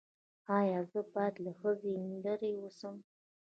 ایا زه باید له ښځې لرې اوسم؟